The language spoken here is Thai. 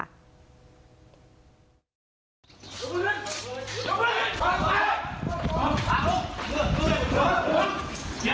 ต่อไปต่อไปต่อไป